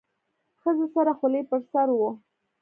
ښځې سره خولۍ په سر وه.